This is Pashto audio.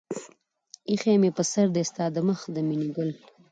اىښى مې پر سر دى ستا د مخ د مينې گل